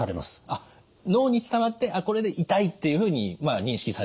あっ脳に伝わってこれで痛いっていうふうに認識されると。